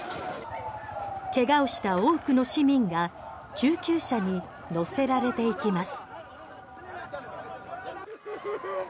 怪我をした多くの市民が救急車に乗せられていきます。